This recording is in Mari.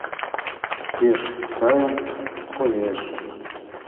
Пеш сайын коеш.